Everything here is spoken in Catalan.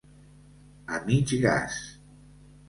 A mig gas.